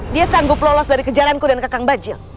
dia sanggup lolos dari kejaranku dan kakang bajil